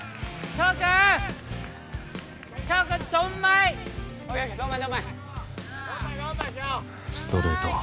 翔ストレート